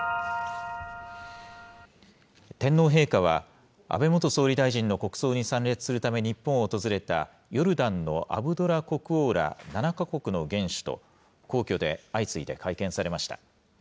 天皇陛下は、安倍元総理大臣の国葬に参列するため日本を訪れたヨルダンのアブドラ国王ら７か国の元首と、皇居で相次いで会見されました。